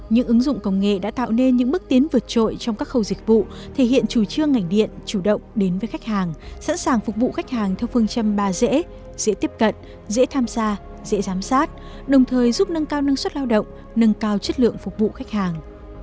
những ứng dụng công nghệ đã tạo nên những bước tiến vượt trội trong các khâu dịch vụ thể hiện chủ trương ngành điện chủ động đến với khách hàng sẵn sàng phục vụ khách hàng theo phương châm ba dễ dễ tiếp cận dễ tham gia dễ giám sát đồng thời giúp nâng cao năng suất lao động nâng cao chất lượng phục vụ khách hàng